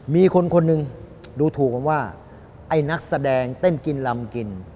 มีคนคนหนึ่งดูถูกกันว่าไอ้นักแสดงเต้นกินลำกิน